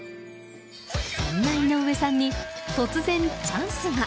そんな井上さんに突然、チャンスが。